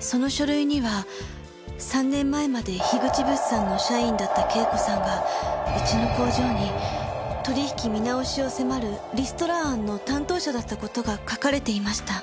その書類には３年前まで口物産の社員だった圭子さんがうちの工場に取引見直しを迫るリストラ案の担当者だった事が書かれていました。